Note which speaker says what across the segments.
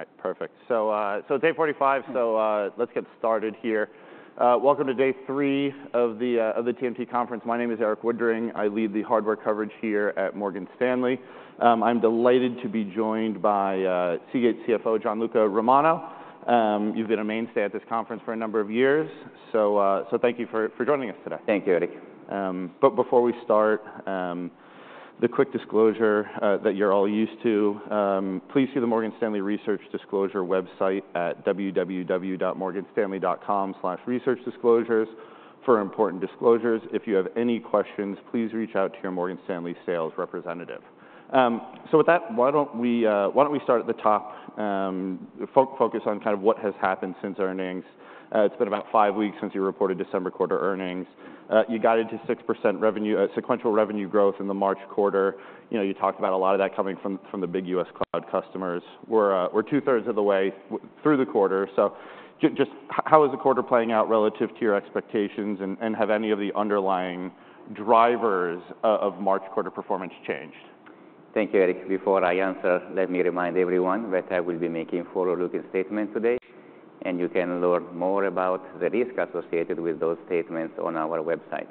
Speaker 1: All right, perfect. So, it's 8:45 A.M., so, let's get started here. Welcome to day three of the TMT conference. My name is Erik Woodring. I lead the hardware coverage here at Morgan Stanley. I'm delighted to be joined by Seagate CFO Gianluca Romano. You've been a mainstay at this conference for a number of years, so, thank you for joining us today.
Speaker 2: Thank you, Erik.
Speaker 1: But before we start, the quick disclosure that you're all used to, please see the Morgan Stanley Research Disclosure website at www.morganstanley.com/researchdisclosures for important disclosures. If you have any questions, please reach out to your Morgan Stanley sales representative. So with that, why don't we start at the top, focus on kind of what has happened since earnings. It's been about five weeks since you reported December quarter earnings. You got into 6% revenue sequential revenue growth in the March quarter. You know, you talked about a lot of that coming from the big US cloud customers. We're two-thirds of the way through the quarter. So just how is the quarter playing out relative to your expectations, and have any of the underlying drivers of March quarter performance changed?
Speaker 2: Thank you, Erik. Before I answer, let me remind everyone that I will be making a forward-looking statement today, and you can learn more about the risks associated with those statements on our website.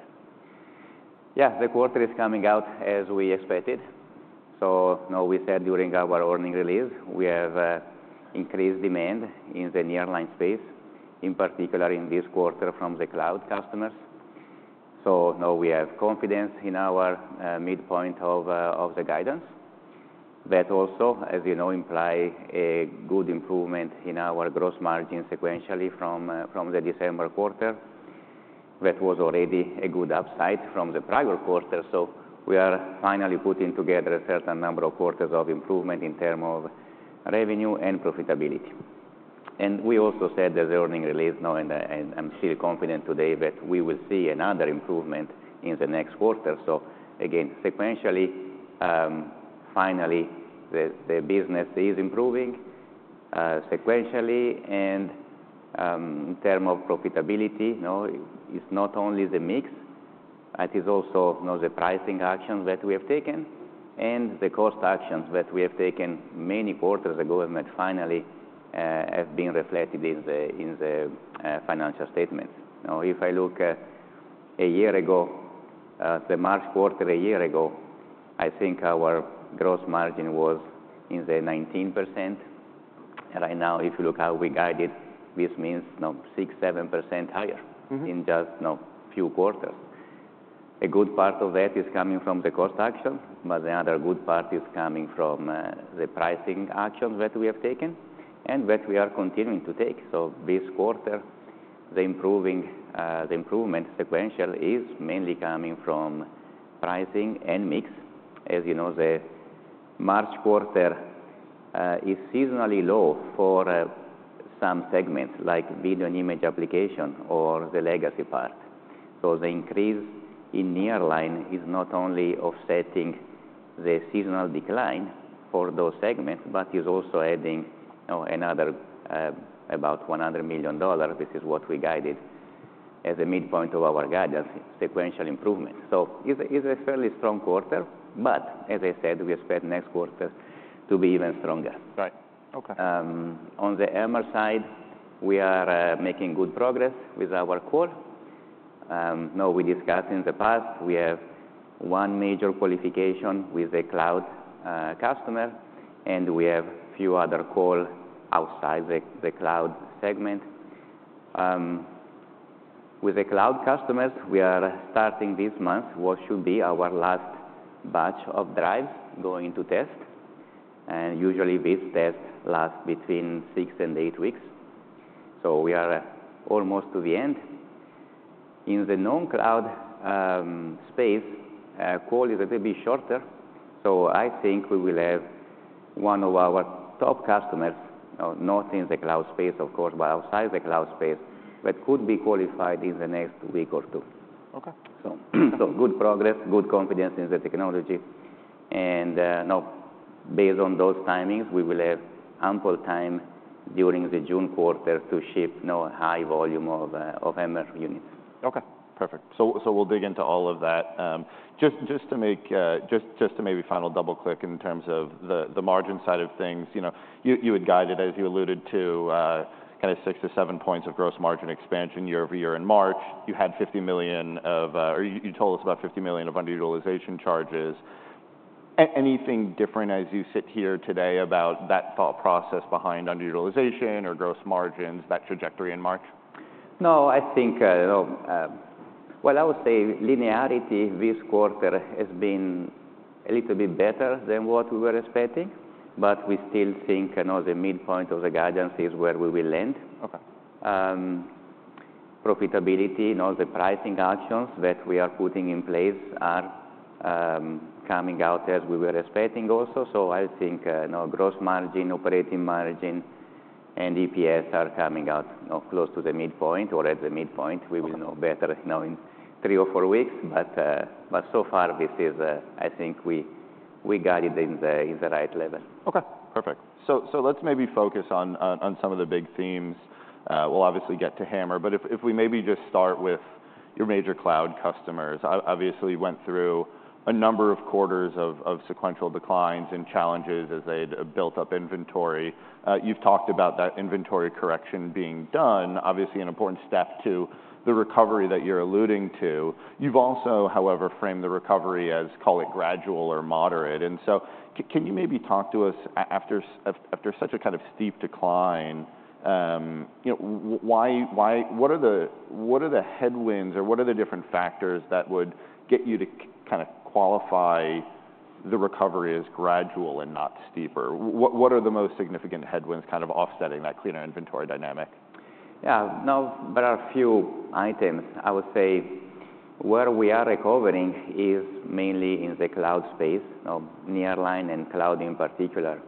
Speaker 2: Yeah, the quarter is coming out as we expected. So now we said during our earnings release, we have increased demand in the nearline space, in particular in this quarter from the cloud customers. So now we have confidence in our midpoint of the guidance that also, as you know, imply a good improvement in our gross margin sequentially from the December quarter that was already a good upside from the prior quarter. So we are finally putting together a certain number of quarters of improvement in terms of revenue and profitability. We also said there's an earnings release now, and I'm still confident today that we will see another improvement in the next quarter. So again, sequentially, finally, the business is improving, sequentially. And in terms of profitability, you know, it's not only the mix. It is also, you know, the pricing actions that we have taken and the cost actions that we have taken many quarters ago and that finally have been reflected in the financial statements. Now, if I look a year ago, the March quarter a year ago, I think our gross margin was in the 19%. And right now, if you look how we guided, this means, you know, 6%-7% higher.
Speaker 1: Mm-hmm.
Speaker 2: In just, you know, few quarters. A good part of that is coming from the cost action, but the other good part is coming from the pricing actions that we have taken and that we are continuing to take. So this quarter, the improvement sequentially is mainly coming from pricing and mix. As you know, the March quarter is seasonally low for some segments like video and image application or the legacy part. So the increase in nearline is not only offsetting the seasonal decline for those segments but is also adding, you know, another about $100 million. This is what we guided as a midpoint of our guidance, sequential improvement. So it's a fairly strong quarter, but as I said, we expect next quarter to be even stronger.
Speaker 1: Right. Okay.
Speaker 2: On the HAMR side, we are making good progress with our HAMR. Now we discussed in the past, we have one major qualification with the cloud customer, and we have a few other HAMR outside the cloud segment. With the cloud customers, we are starting this month what should be our last batch of drives going to test. And usually, these tests last between six and eight weeks. So we are almost to the end. In the non-cloud space, HAMR is a little bit shorter. So I think we will have one of our top customers, you know, not in the cloud space, of course, but outside the cloud space, that could be qualified in the next week or two.
Speaker 1: Okay.
Speaker 2: So, so good progress, good confidence in the technology. Now, based on those timings, we will have ample time during the June quarter to ship, you know, a high volume of, of HAMR units.
Speaker 1: Okay. Perfect. So we'll dig into all of that. Just to maybe final double-click in terms of the margin side of things, you know, you had guided, as you alluded to, kinda 6-7 points of gross margin expansion year-over-year in March. You had $50 million of, or you told us about $50 million of underutilization charges. Anything different as you sit here today about that thought process behind underutilization or gross margins, that trajectory in March?
Speaker 2: No, I think, you know, well, I would say linearity this quarter has been a little bit better than what we were expecting, but we still think, you know, the midpoint of the guidance is where we will land.
Speaker 1: Okay.
Speaker 2: Profitability, you know, the pricing actions that we are putting in place are coming out as we were expecting also. So I think, you know, gross margin, operating margin, and EPS are coming out, you know, close to the midpoint or at the midpoint. We will know better, you know, in three or four weeks. But so far, this is. I think we guided in the right level.
Speaker 1: Okay. Perfect. So let's maybe focus on some of the big themes. We'll obviously get to HAMR, but if we maybe just start with your major cloud customers. Obviously, you went through a number of quarters of sequential declines and challenges as they'd built up inventory. You've talked about that inventory correction being done, obviously, an important step to the recovery that you're alluding to. You've also, however, framed the recovery as, call it, gradual or moderate. And so can you maybe talk to us after such a kind of steep decline, you know, why what are the headwinds or what are the different factors that would get you to kinda qualify the recovery as gradual and not steeper? What are the most significant headwinds kind of offsetting that cleaner inventory dynamic? Yeah, now, there are a few items. I would say where we are recovering is mainly in the cloud space, you know, nearline and cloud in particular,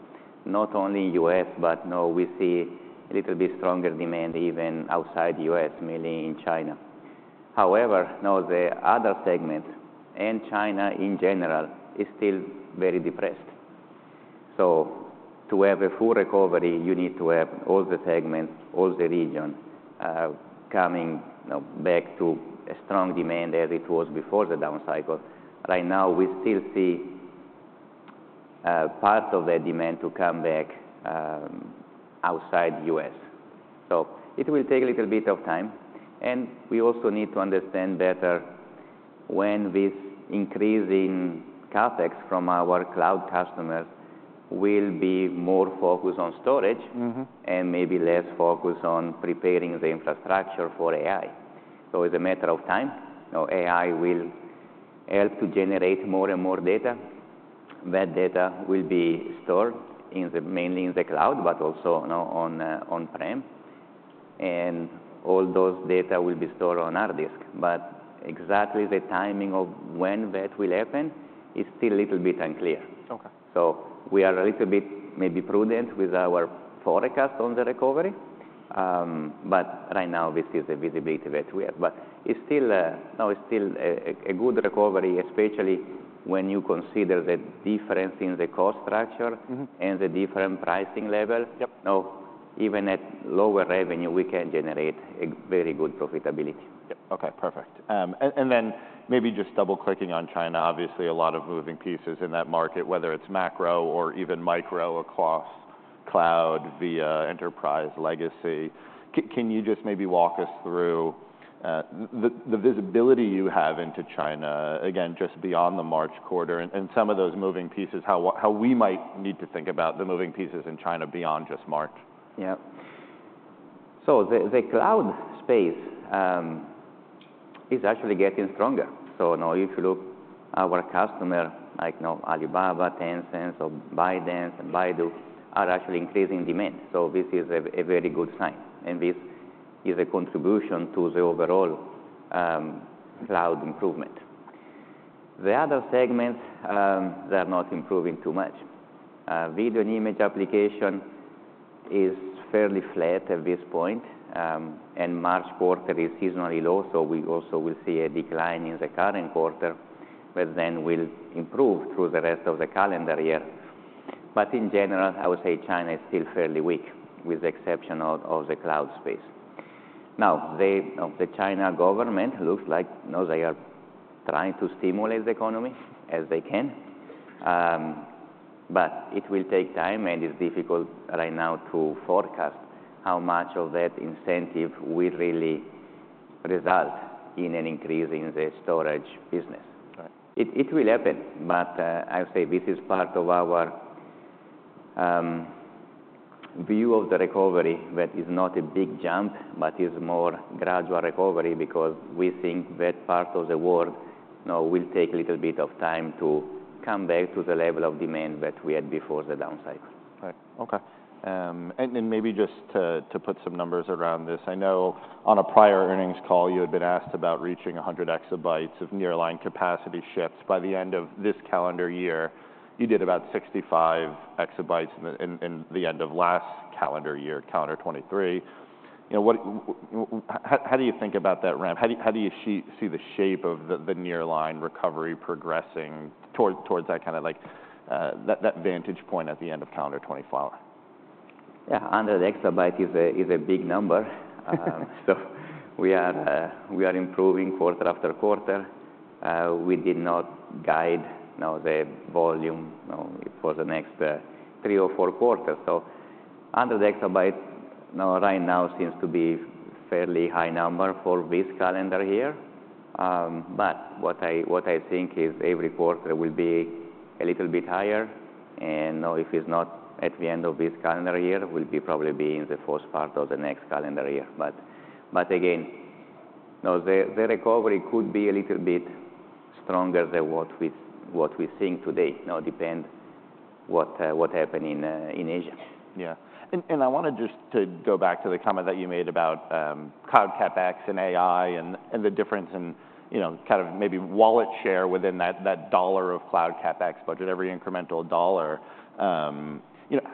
Speaker 1: not only U.S., but now we see a little bit stronger demand even outside U.S., mainly in China. However, now, the other segment and China in general is still very depressed. So to have a full recovery, you need to have all the segments, all the region, coming, you know, back to a strong demand as it was before the downcycle. Right now, we still see, part of that demand to come back, outside U.S. So it will take a little bit of time. And we also need to understand better when this increase in CAPEX from our cloud customers will be more focused on storage. Mm-hmm.
Speaker 2: Maybe less focused on preparing the infrastructure for AI. So it's a matter of time. Now, AI will help to generate more and more data. That data will be stored mainly in the cloud but also, you know, on-prem. And all those data will be stored on hard disk. But exactly the timing of when that will happen is still a little bit unclear.
Speaker 1: Okay.
Speaker 2: So we are a little bit maybe prudent with our forecast on the recovery. But right now, this is the visibility that we have. But it's still, now, it's still a good recovery, especially when you consider the difference in the cost structure.
Speaker 1: Mm-hmm.
Speaker 2: The different pricing level.
Speaker 1: Yep.
Speaker 2: Now, even at lower revenue, we can generate a very good profitability.
Speaker 1: Yep. Okay. Perfect. And then maybe just double-clicking on China. Obviously, a lot of moving pieces in that market, whether it's macro or even micro across cloud, VIA, enterprise, legacy. Can you just maybe walk us through the visibility you have into China, again, just beyond the March quarter and some of those moving pieces, how we might need to think about the moving pieces in China beyond just March?
Speaker 2: Yeah. So the cloud space is actually getting stronger. So, you know, if you look at our customer like, you know, Alibaba, Tencent, so ByteDance and Baidu are actually increasing demand. So this is a very good sign. And this is a contribution to the overall cloud improvement. The other segments, they are not improving too much. Video and image application is fairly flat at this point, and March quarter is seasonally low, so we also will see a decline in the current quarter, but then will improve through the rest of the calendar year. But in general, I would say China is still fairly weak with the exception of the cloud space. Now, the, you know, the China government looks like, you know, they are trying to stimulate the economy as they can. It will take time, and it's difficult right now to forecast how much of that incentive will really result in an increase in the storage business.
Speaker 1: Right.
Speaker 2: It will happen, but I would say this is part of our view of the recovery that is not a big jump but is more gradual recovery because we think that part of the world, you know, will take a little bit of time to come back to the level of demand that we had before the downcycle.
Speaker 1: Right. Okay, and maybe just to put some numbers around this. I know on a prior earnings call, you had been asked about reaching 100 exabytes of nearline capacity shipments. By the end of this calendar year, you did about 65 exabytes in the end of last calendar year, 2023. You know, what, how do you think about that ramp? How do you see the shape of the nearline recovery progressing toward that kind of vantage point at the end of calendar 2025?
Speaker 2: Yeah, 100 exabyte is a big number. So we are improving quarter after quarter. We did not guide, you know, the volume, you know, for the next three or four quarters. So 100 exabyte, you know, right now seems to be a fairly high number for this calendar year. But what I think is every quarter will be a little bit higher. And now, if it's not at the end of this calendar year, we'll probably be in the first part of the next calendar year. But again, now, the recovery could be a little bit stronger than what we think today. Now, depends what happened in Asia.
Speaker 1: Yeah. And I wanna just to go back to the comment that you made about cloud CAPEX and AI and the difference in, you know, kind of maybe wallet share within that dollar of cloud CAPEX budget, every incremental dollar. You know,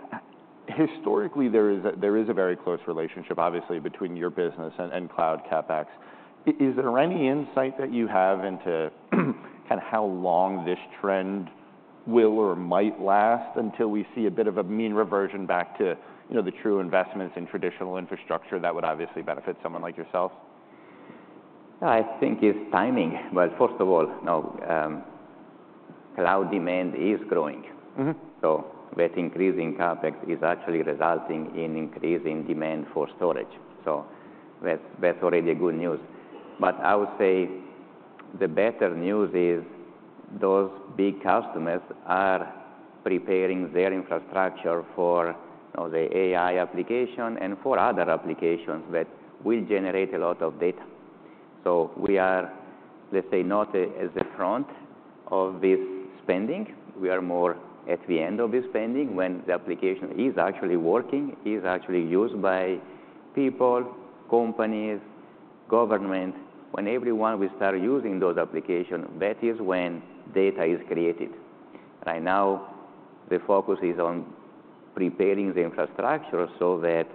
Speaker 1: historically, there is a very close relationship, obviously, between your business and cloud CAPEX. Is there any insight that you have into kinda how long this trend will or might last until we see a bit of a mean reversion back to, you know, the true investments in traditional infrastructure that would obviously benefit someone like yourself?
Speaker 2: I think it's timing. But first of all, now, cloud demand is growing.
Speaker 1: Mm-hmm.
Speaker 2: So that increase in CAPEX is actually resulting in increasing demand for storage. So that's, that's already good news. But I would say the better news is those big customers are preparing their infrastructure for, you know, the AI application and for other applications that will generate a lot of data. So we are, let's say, not at the front of this spending. We are more at the end of this spending when the application is actually working, is actually used by people, companies, government. When everyone will start using those applications, that is when data is created. Right now, the focus is on preparing the infrastructure so that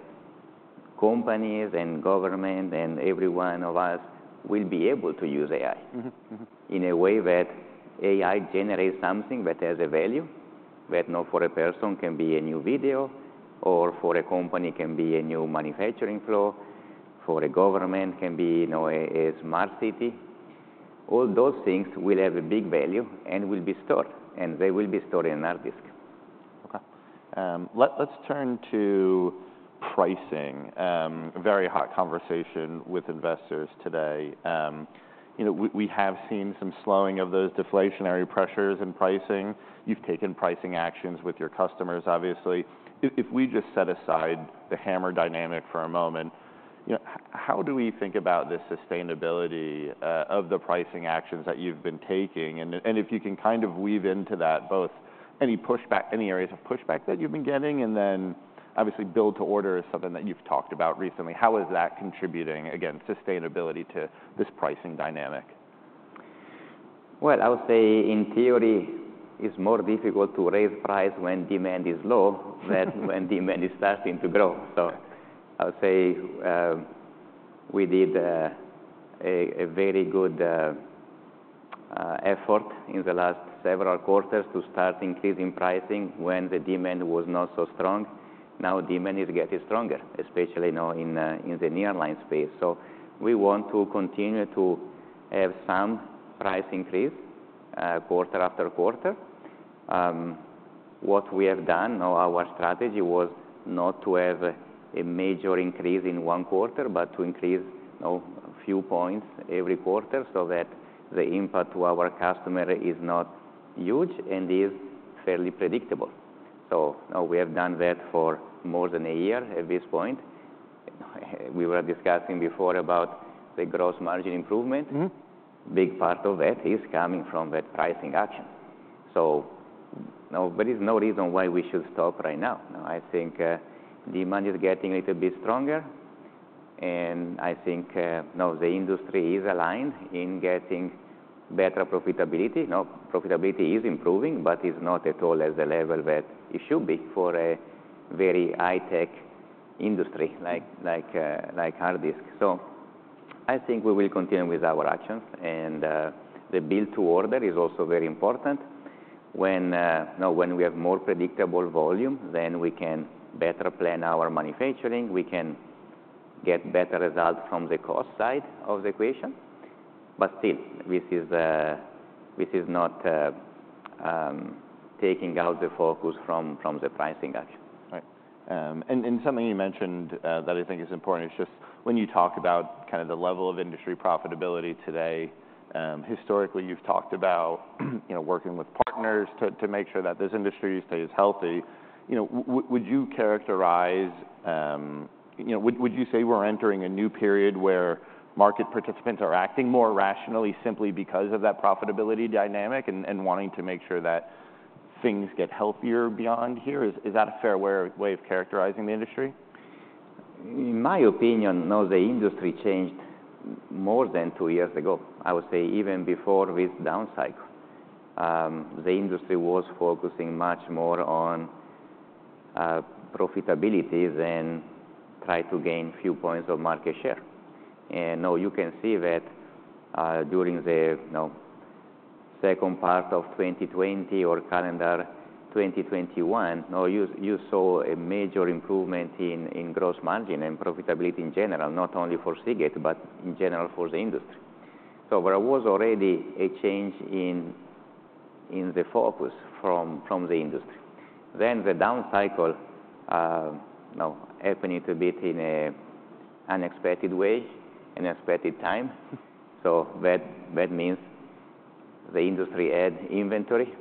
Speaker 2: companies and government and everyone of us will be able to use AI.
Speaker 1: Mm-hmm. Mm-hmm.
Speaker 2: In a way that AI generates something that has a value that, you know, for a person can be a new video or for a company can be a new manufacturing flow, for a government can be, you know, a smart city. All those things will have a big value and will be stored, and they will be stored in hard disk.
Speaker 1: Okay. Let's turn to pricing. Very hot conversation with investors today. You know, we have seen some slowing of those deflationary pressures in pricing. You've taken pricing actions with your customers, obviously. If we just set aside the HAMR dynamic for a moment, you know, how do we think about the sustainability of the pricing actions that you've been taking? And if you can kind of weave into that both any pushback, any areas of pushback that you've been getting, and then obviously, build-to-order is something that you've talked about recently. How is that contributing, again, sustainability to this pricing dynamic?
Speaker 2: Well, I would say in theory, it's more difficult to raise price when demand is low than when demand is starting to grow. So I would say, we did a very good effort in the last several quarters to start increasing pricing when the demand was not so strong. Now, demand is getting stronger, especially, you know, in the nearline space. So we want to continue to have some price increase, quarter after quarter. What we have done, you know, our strategy was not to have a major increase in one quarter but to increase, you know, a few points every quarter so that the impact to our customer is not huge and is fairly predictable. So now, we have done that for more than a year at this point. You know, we were discussing before about the gross margin improvement.
Speaker 1: Mm-hmm.
Speaker 2: Big part of that is coming from that pricing action. So now, there is no reason why we should stop right now. Now, I think, demand is getting a little bit stronger, and I think, now, the industry is aligned in getting better profitability. Now, profitability is improving but is not at all at the level that it should be for a very high-tech industry like, like, like hard disk. So I think we will continue with our actions. The build-to-order is also very important. When, now, when we have more predictable volume, then we can better plan our manufacturing. We can get better results from the cost side of the equation. But still, this is, this is not, taking out the focus from, from the pricing action.
Speaker 1: Right. And something you mentioned, that I think is important is just when you talk about kinda the level of industry profitability today, historically, you've talked about, you know, working with partners to, to make sure that this industry stays healthy. You know, would you characterize, you know, would you say we're entering a new period where market participants are acting more rationally simply because of that profitability dynamic and, and wanting to make sure that things get healthier beyond here? Is that a fair way of characterizing the industry?
Speaker 2: In my opinion, now, the industry changed more than two years ago. I would say even before this downcycle. The industry was focusing much more on profitability than try to gain a few points of market share. Now, you can see that, during the, you know, second part of 2020 or calendar 2021, now, you, you saw a major improvement in, in gross margin and profitability in general, not only for Seagate but in general for the industry. So there was already a change in, in the focus from, from the industry. Then the downcycle, now, happened a little bit in an unexpected way, unexpected time. So that, that means the industry had inventory,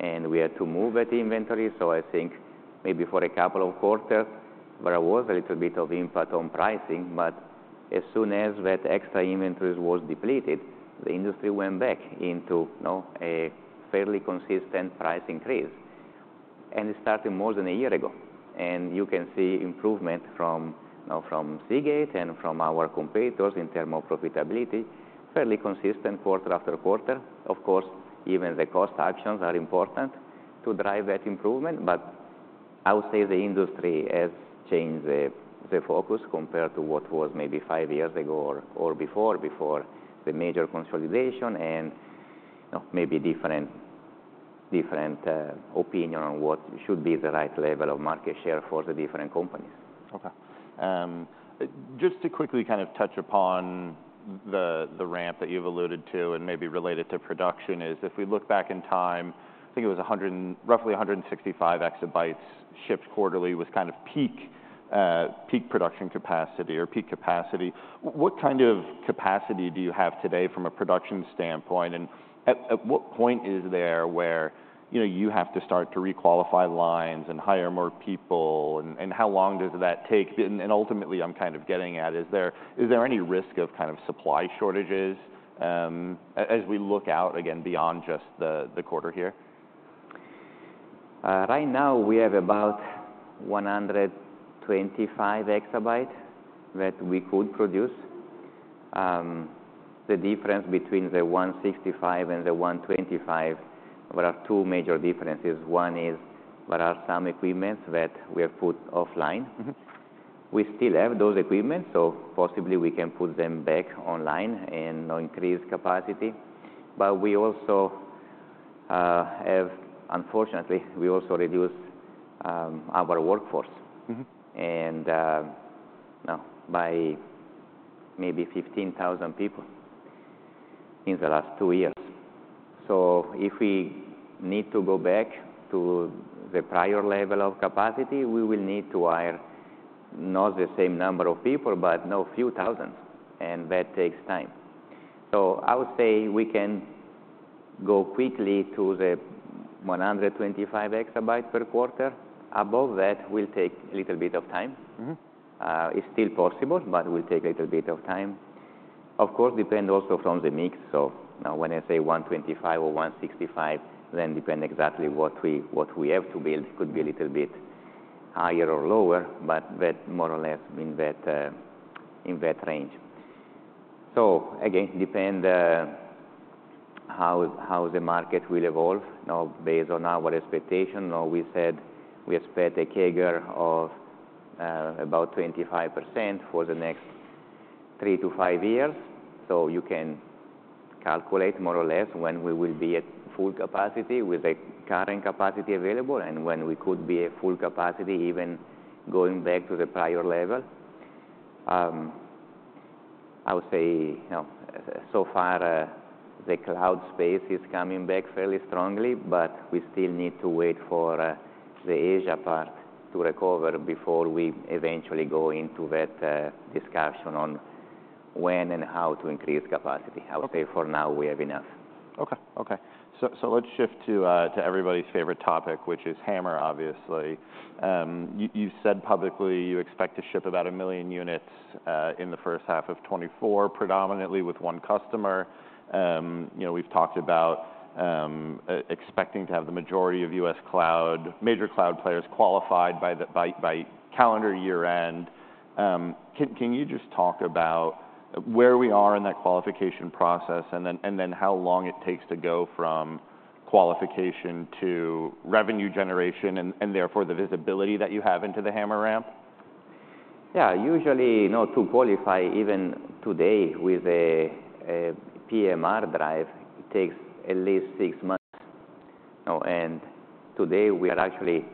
Speaker 2: and we had to move that inventory. So I think maybe for a couple of quarters, there was a little bit of impact on pricing. But as soon as that extra inventory was depleted, the industry went back into, you know, a fairly consistent price increase. And it started more than a year ago. And you can see improvement from, you know, from Seagate and from our competitors in terms of profitability, fairly consistent quarter after quarter. Of course, even the cost actions are important to drive that improvement. But I would say the industry has changed the focus compared to what was maybe five years ago or before the major consolidation and, you know, maybe different opinion on what should be the right level of market share for the different companies.
Speaker 1: Okay. Just to quickly kind of touch upon the ramp that you've alluded to and maybe related to production, if we look back in time, I think it was 100 and roughly 165 exabytes shipped quarterly was kind of peak production capacity or peak capacity. What kind of capacity do you have today from a production standpoint? And at what point is there where, you know, you have to start to requalify lines and hire more people? And how long does that take? And ultimately, I'm kind of getting at, is there any risk of kind of supply shortages, as we look out, again, beyond just the quarter here?
Speaker 2: Right now, we have about 125 exabytes that we could produce. The difference between the 165 and the 125, there are two major differences. One is there are some equipment that we have put offline.
Speaker 1: Mm-hmm.
Speaker 2: We still have those equipment, so possibly we can put them back online and, you know, increase capacity. But we also have, unfortunately, we also reduced our workforce.
Speaker 1: Mm-hmm.
Speaker 2: Now, by maybe 15,000 people in the last two years. So if we need to go back to the prior level of capacity, we will need to hire not the same number of people but, you know, a few thousand, and that takes time. So I would say we can go quickly to the 125 exabyte per quarter. Above that, we'll take a little bit of time.
Speaker 1: Mm-hmm.
Speaker 2: It's still possible, but we'll take a little bit of time. Of course, depend also from the mix. So now, when I say 125 or 165, then depend exactly what we have to build could be a little bit higher or lower but that more or less in that, in that range. So again, depend how the market will evolve. Now, based on our expectation, we said we expect a CAGR of about 25% for the next three to five years. So you can calculate more or less when we will be at full capacity with the current capacity available and when we could be at full capacity even going back to the prior level. I would say, you know, so far, the cloud space is coming back fairly strongly, but we still need to wait for the Asia part to recover before we eventually go into that discussion on when and how to increase capacity.
Speaker 1: Okay.
Speaker 2: I would say for now, we have enough.
Speaker 1: Okay. So let's shift to everybody's favorite topic, which is HAMR, obviously. You've said publicly you expect to ship about 1 million units in the first half of 2024 predominantly with one customer. You know, we've talked about expecting to have the majority of U.S. cloud major cloud players qualified by calendar year-end. Can you just talk about where we are in that qualification process and then how long it takes to go from qualification to revenue generation and therefore the visibility that you have into the HAMR ramp?
Speaker 2: Yeah. Usually, you know, to qualify even today with a PMR drive, it takes at least six months. Now and today, we are actually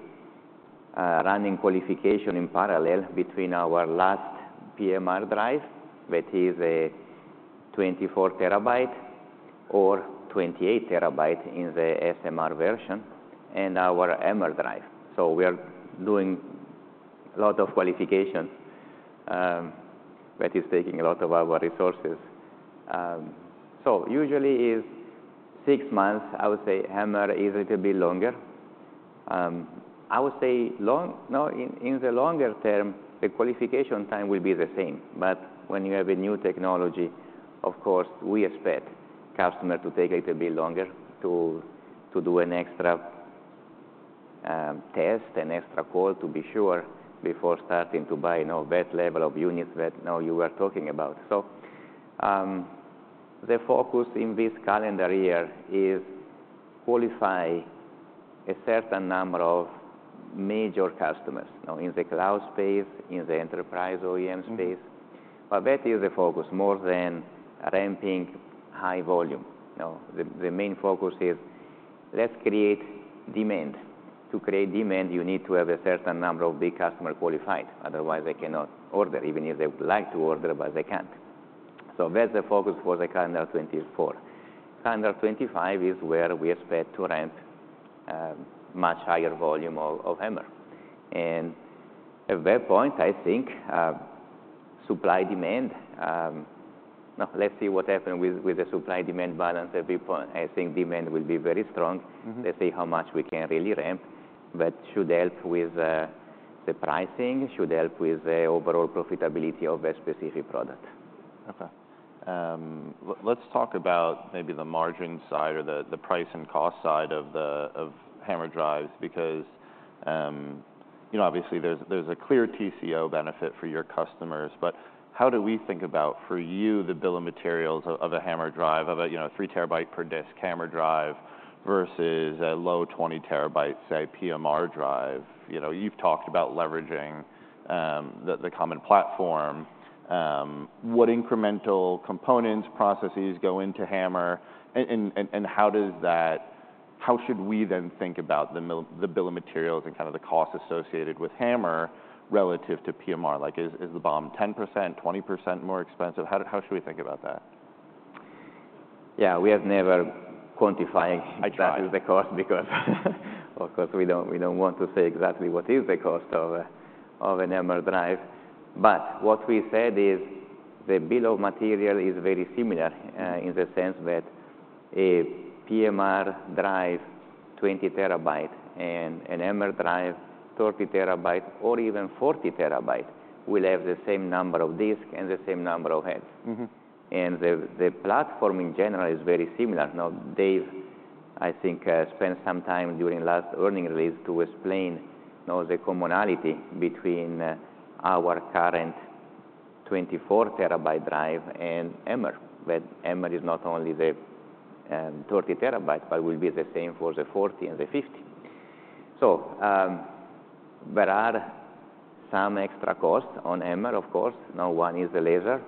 Speaker 2: running qualification in parallel between our last PMR drive that is a 24 TB or 28 TB in the SMR version and our HAMR drive. So we are doing a lot of qualification, that is taking a lot of our resources. So usually, it's six months. I would say HAMR is a little bit longer. I would say long now, in the longer term, the qualification time will be the same. But when you have a new technology, of course, we expect customer to take a little bit longer to do an extra test, an extra call to be sure before starting to buy, you know, that level of units that, you know, you were talking about. The focus in this calendar year is to qualify a certain number of major customers, you know, in the cloud space, in the enterprise OEM space.
Speaker 1: Mm-hmm.
Speaker 2: But that is the focus more than ramping high volume. Now, the main focus is, "Let's create demand." To create demand, you need to have a certain number of big customers qualified. Otherwise, they cannot order even if they would like to order, but they can't. So that's the focus for the calendar 2024. Calendar 2025 is where we expect to ramp much higher volume of HAMR. And at that point, I think supply-demand now, let's see what happened with the supply-demand balance at this point. I think demand will be very strong.
Speaker 1: Mm-hmm.
Speaker 2: Let's see how much we can really ramp. That should help with the pricing, should help with the overall profitability of a specific product.
Speaker 1: Okay. Let's talk about maybe the margin side or the price and cost side of the HAMR drives because, you know, obviously, there's a clear TCO benefit for your customers. But how do we think about, for you, the bill of materials of a HAMR drive, of a, you know, a 3-terabyte per disk HAMR drive versus a low 20-terabyte, say, PMR drive? You know, you've talked about leveraging the common platform. What incremental components, processes go into HAMR? And how does that, how should we then think about the bill of materials and kind of the cost associated with HAMR relative to PMR? Like, is the BOM 10%-20% more expensive? How should we think about that?
Speaker 2: Yeah. We have never quantified.
Speaker 1: I tried.
Speaker 2: Exactly the cost because, of course, we don't we don't want to say exactly what is the cost of a of an HAMR drive. But what we said is the bill of material is very similar, in the sense that a PMR drive, 20-TB, and an HAMR drive, 30-TB, or even 40-TB, will have the same number of disks and the same number of heads.
Speaker 1: Mm-hmm.
Speaker 2: The platform in general is very similar. Now, Dave, I think, spent some time during last earnings release to explain, you know, the commonality between our current 24-TB drive and HAMR that HAMR is not only the 30-TB but will be the same for the 40-TB and the 50-TB. So, there are some extra costs on HAMR, of course. Now, one is the laser.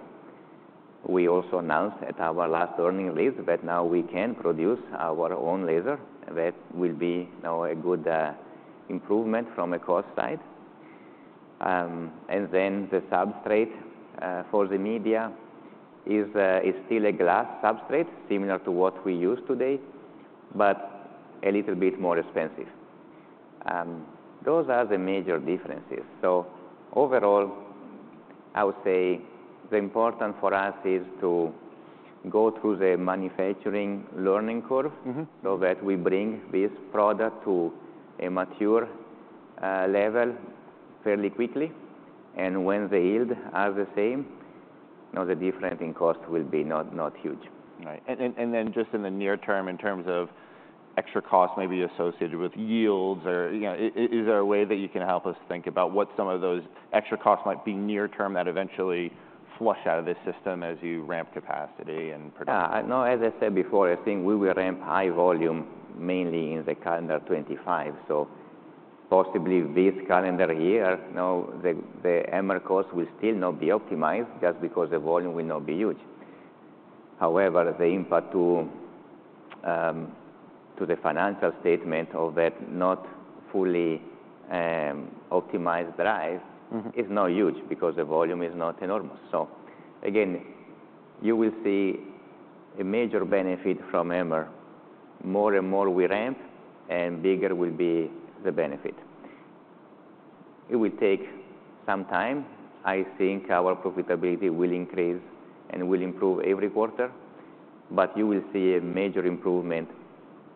Speaker 2: We also announced at our last earnings release that now we can produce our own laser. That will be, you know, a good improvement from a cost side. And then the substrate for the media is still a glass substrate similar to what we use today but a little bit more expensive. Those are the major differences. So overall, I would say the important for us is to go through the manufacturing learning curve.
Speaker 1: Mm-hmm.
Speaker 2: So that we bring this product to a mature, level fairly quickly. And when the yield are the same, now, the difference in cost will be not, not huge.
Speaker 1: Right. And then just in the near term in terms of extra costs maybe associated with yields or, you know, is there a way that you can help us think about what some of those extra costs might be near term that eventually flush out of this system as you ramp capacity and production?
Speaker 2: Yeah. Now, as I said before, I think we will ramp high volume mainly in the calendar 2025. So possibly, this calendar year, now, the HAMR cost will still not be optimized just because the volume will not be huge. However, the impact to the financial statement of that not fully optimized drive.
Speaker 1: Mm-hmm.
Speaker 2: Is not huge because the volume is not enormous. So again, you will see a major benefit from HAMR. More and more we ramp, and bigger will be the benefit. It will take some time. I think our profitability will increase and will improve every quarter. But you will see a major improvement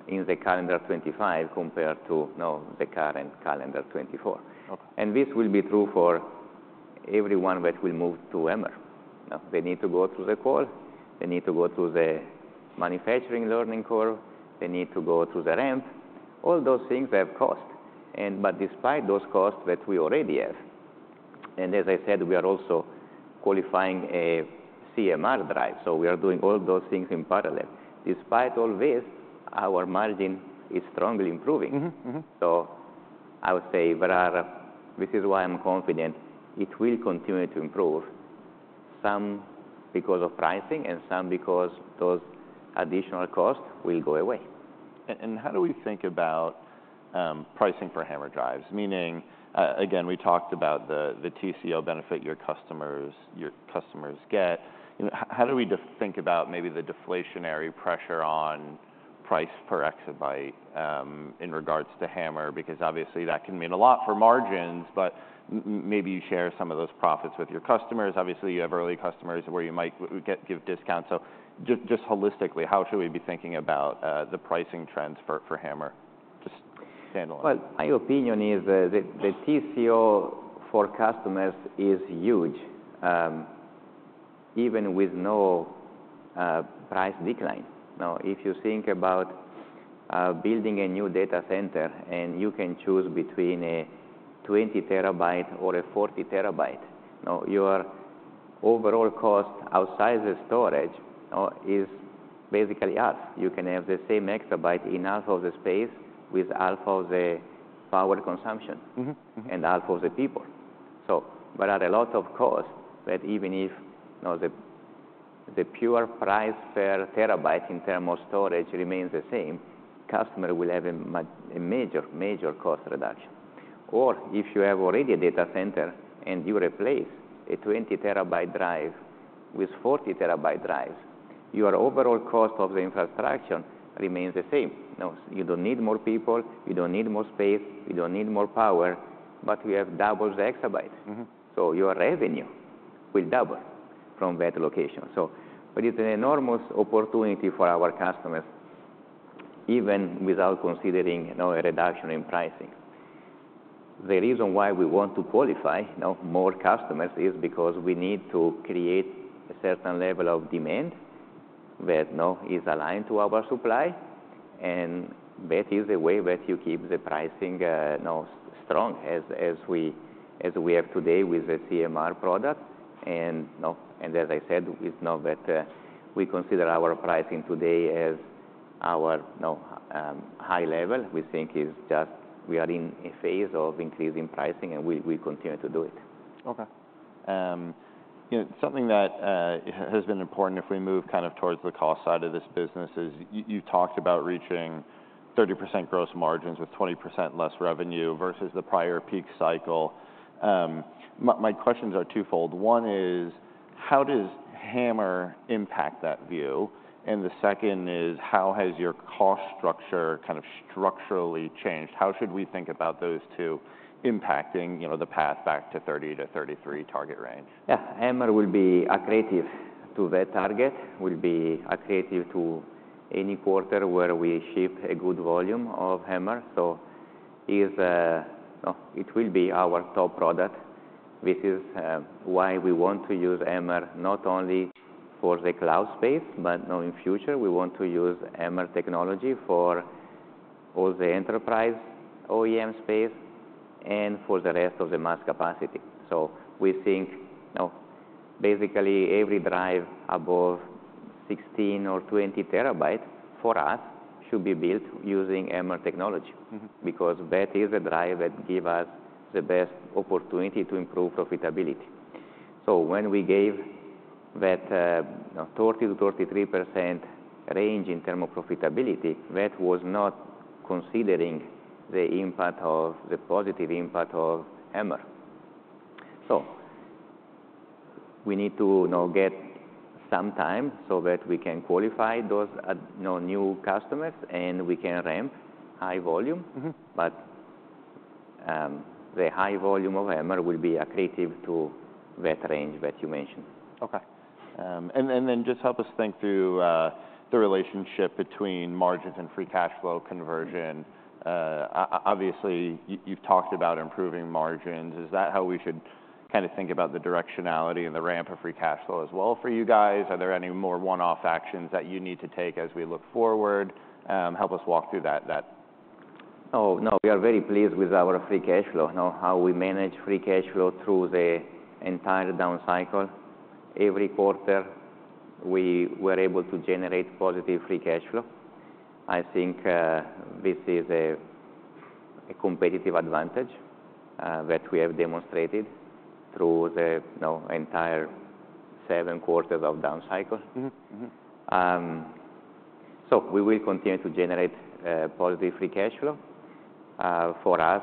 Speaker 2: in the calendar 2025 compared to, you know, the current calendar 2024.
Speaker 1: Okay.
Speaker 2: This will be true for everyone that will move to HAMR. Now, they need to go through the qual. They need to go through the manufacturing learning curve. They need to go through the ramp. All those things have cost. But despite those costs that we already have, and as I said, we are also qualifying a CMR drive. So we are doing all those things in parallel. Despite all this, our margin is strongly improving.
Speaker 1: Mm-hmm. Mm-hmm.
Speaker 2: So I would say this is why I'm confident it will continue to improve, some because of pricing and some because those additional costs will go away.
Speaker 1: And how do we think about pricing for HAMR drives? Meaning, again, we talked about the TCO benefit your customers get. You know, how do we think about maybe the deflationary pressure on price per exabyte, in regards to HAMR? Because obviously, that can mean a lot for margins, but maybe you share some of those profits with your customers. Obviously, you have early customers where you might give discounts. So just holistically, how should we be thinking about the pricing trends for HAMR? Just standalone.
Speaker 2: Well, my opinion is, the TCO for customers is huge, even with no price decline. Now, if you think about building a new data center and you can choose between a 20 TB or a 40 TB, now, your overall cost outside the storage, you know, is basically us. You can have the same EB in half of the space with half of the power consumption.
Speaker 1: Mm-hmm. Mm-hmm.
Speaker 2: And half of the people. So there are a lot of costs that even if, you know, the pure price per terabyte in terms of storage remains the same, customer will have a major, major cost reduction. Or if you have already a data center and you replace a 20-terabyte drive with 40-terabyte drives, your overall cost of the infrastructure remains the same. Now, you don't need more people. You don't need more space. You don't need more power. But you have double the exabyte.
Speaker 1: Mm-hmm.
Speaker 2: So your revenue will double from that location. So it is an enormous opportunity for our customers even without considering, you know, a reduction in pricing. The reason why we want to qualify, you know, more customers is because we need to create a certain level of demand that, you know, is aligned to our supply. And that is the way that you keep the pricing, you know, strong as we have today with the CMR product. And, you know, and as I said, it's not that we consider our pricing today as our, you know, high level. We think it's just we are in a phase of increasing pricing, and we'll continue to do it.
Speaker 1: Okay. You know, something that has been important if we move kind of towards the cost side of this business is you've talked about reaching 30% gross margins with 20% less revenue versus the prior peak cycle. My questions are twofold. One is, how does HAMR impact that view? And the second is, how has your cost structure kind of structurally changed? How should we think about those two impacting, you know, the path back to 30%-33% target range?
Speaker 2: Yeah. HAMR will be accretive to that target, will be accretive to any quarter where we ship a good volume of HAMR. So it's, now, it will be our top product. This is, why we want to use HAMR not only for the cloud space but, you know, in future, we want to use HAMR technology for all the enterprise OEM space and for the rest of the mass capacity. So we think, you know, basically, every drive above 16 or 20 TB for us should be built using HAMR technology.
Speaker 1: Mm-hmm.
Speaker 2: Because that is the drive that give us the best opportunity to improve profitability. So when we gave that, you know, 30%-33% range in terms of profitability, that was not considering the impact of the positive impact of HAMR. So we need to, you know, get some time so that we can qualify those, you know, new customers, and we can ramp high volume.
Speaker 1: Mm-hmm.
Speaker 2: But, the high volume of HAMR will be accretive to that range that you mentioned.
Speaker 1: Okay. And then just help us think through the relationship between margins and free cash flow conversion. Obviously, you've talked about improving margins. Is that how we should kind of think about the directionality and the ramp of free cash flow as well for you guys? Are there any more one-off actions that you need to take as we look forward? Help us walk through that.
Speaker 2: Oh, no. We are very pleased with our Free Cash Flow, you know, how we manage Free Cash Flow through the entire down cycle. Every quarter, we were able to generate positive Free Cash Flow. I think this is a competitive advantage that we have demonstrated through the, you know, entire seven quarters of down cycle.
Speaker 1: Mm-hmm. Mm-hmm.
Speaker 2: So we will continue to generate positive free cash flow. For us,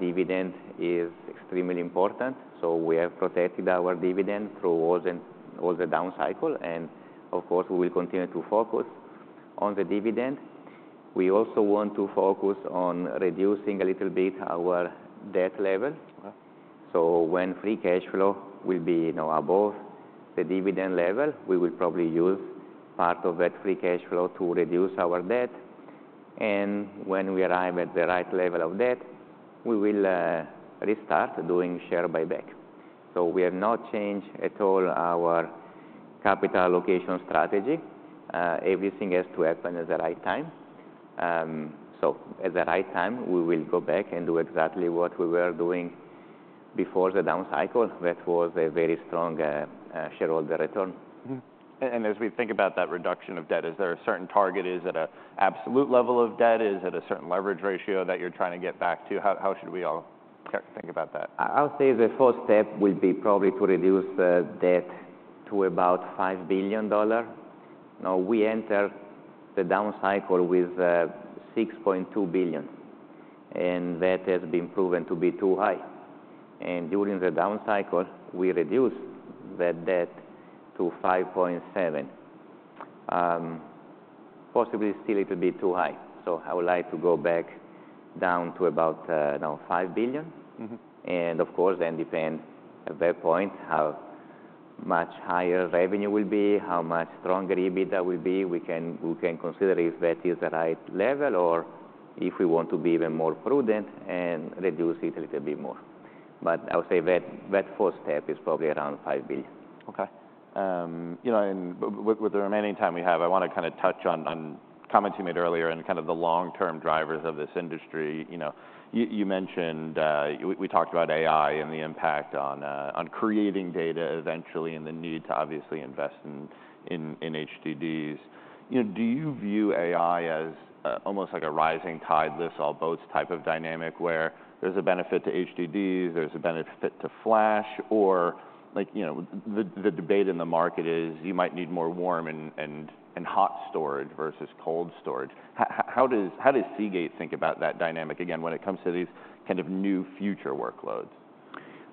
Speaker 2: dividend is extremely important. So we have protected our dividend through all the down cycle. And of course, we will continue to focus on the dividend. We also want to focus on reducing a little bit our debt level.
Speaker 1: Okay.
Speaker 2: So when Free Cash Flow will be, you know, above the dividend level, we will probably use part of that Free Cash Flow to reduce our debt. And when we arrive at the right level of debt, we will restart doing share buyback. So we have not changed at all our capital allocation strategy. Everything has to happen at the right time. So at the right time, we will go back and do exactly what we were doing before the down cycle. That was a very strong shareholder return.
Speaker 1: Mm-hmm. And as we think about that reduction of debt, is there a certain target? Is it an absolute level of debt? Is it a certain leverage ratio that you're trying to get back to? How should we all kind of think about that?
Speaker 2: I'll say the first step will be probably to reduce debt to about $5 billion. Now, we enter the down cycle with $6.2 billion. And that has been proven to be too high. And during the down cycle, we reduce that debt to $5.7 billion. Possibly still it will be too high. So I would like to go back down to about $5 billion now.
Speaker 1: Mm-hmm.
Speaker 2: Of course, then depend at that point how much higher revenue will be, how much stronger EBITDA will be. We can consider if that is the right level or if we want to be even more prudent and reduce it a little bit more. But I would say that first step is probably around $5 billion.
Speaker 1: Okay, you know, and with the remaining time we have, I wanna kind of touch on comments you made earlier and kind of the long-term drivers of this industry. You know, you mentioned, we talked about AI and the impact on creating data eventually and the need to obviously invest in HDDs. You know, do you view AI as almost like a rising tide, this all boats type of dynamic where there's a benefit to HDDs, there's a benefit to Flash, or like, you know, the debate in the market is you might need more warm and hot storage versus cold storage? How does Seagate think about that dynamic again when it comes to these kind of new future workloads?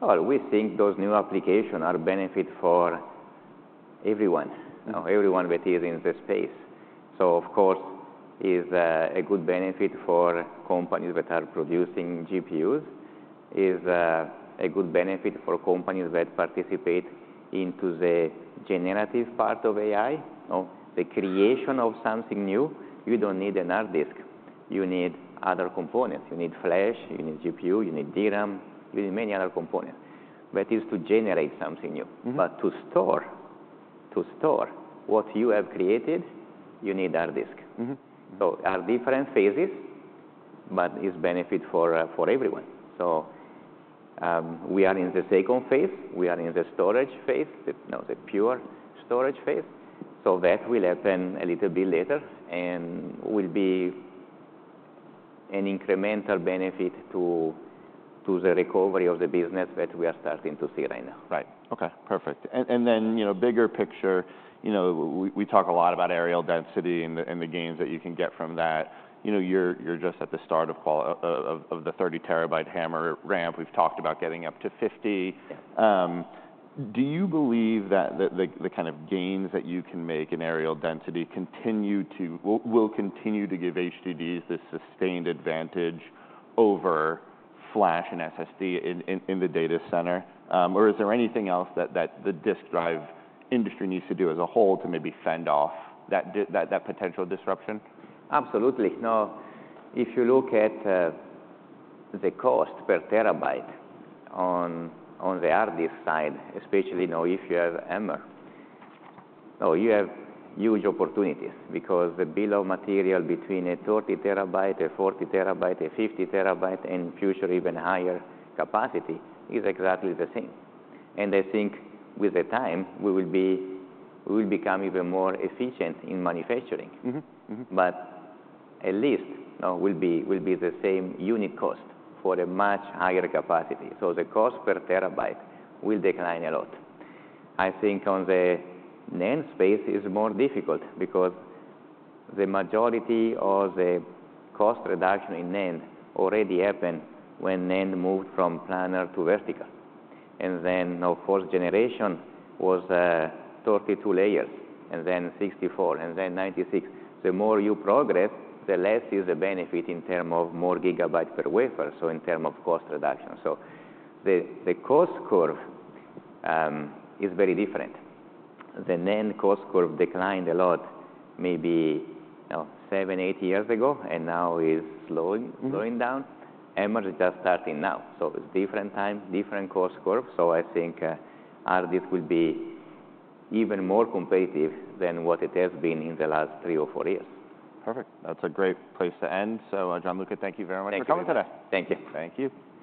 Speaker 2: Oh, we think those new applications are a benefit for everyone, you know, everyone that is in the space. So of course, it's a good benefit for companies that are producing GPUs. It's a good benefit for companies that participate into the generative part of AI, you know, the creation of something new. You don't need a hard disk. You need other components. You need Flash. You need GPU. You need DRAM. You need many other components. That is to generate something new.
Speaker 1: Mm-hmm.
Speaker 2: To store what you have created, you need hard disk.
Speaker 1: Mm-hmm. Mm-hmm.
Speaker 2: So there are different phases, but it's a benefit for everyone. So, we are in the second phase. We are in the storage phase, the, you know, the pure storage phase. So that will happen a little bit later and will be an incremental benefit to the recovery of the business that we are starting to see right now.
Speaker 1: Right. Okay. Perfect. And then, you know, bigger picture, you know, we talk a lot about areal density and the gains that you can get from that. You know, you're just at the start of qual of the 30-terabyte HAMR ramp. We've talked about getting up to 50.
Speaker 2: Yeah.
Speaker 1: Do you believe that the kind of gains that you can make in areal density continue to give HDDs this sustained advantage over Flash and SSD in the data center? Or is there anything else that the disk drive industry needs to do as a whole to maybe fend off that potential disruption?
Speaker 2: Absolutely. Now, if you look at the cost per terabyte on the hard disk side, especially, you know, if you have HAMR, now, you have huge opportunities because the bill of material between a 30-TB, a 40-TB, a 50-TB, and future even higher capacity is exactly the same. And I think with the time, we will become even more efficient in manufacturing.
Speaker 1: Mm-hmm. Mm-hmm.
Speaker 2: But at least, you know, will be the same unit cost for a much higher capacity. So the cost per terabyte will decline a lot. I think on the NAND space is more difficult because the majority of the cost reduction in NAND already happened when NAND moved from planar to vertical. And then, you know, fourth generation was 32 layers and then 64 and then 96. The more you progress, the less is the benefit in terms of more gigabyte per wafer, so in terms of cost reduction. So the cost curve is very different. The NAND cost curve declined a lot maybe, you know, 7-8 years ago, and now is slowing.
Speaker 1: Mm-hmm.
Speaker 2: Slowing down. HAMR's just starting now. So it's different time, different cost curve. So I think, hard disk will be even more competitive than what it has been in the last three or four years.
Speaker 1: Perfect. That's a great place to end. So, Gianluca, thank you very much for coming today.
Speaker 2: Okay. Thank you.
Speaker 1: Thank you.